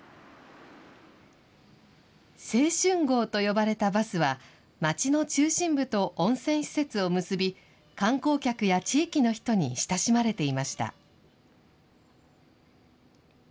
青春号と呼ばれたバスは、町の中心部と温泉施設を結び、観光客や地域の人に親しまれていました。